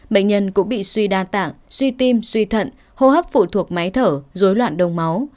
bệnh nhân cũng bị suy đa tạng suy tim suy thận hô hấp phụ thuộc máy thở dối loạn đông máu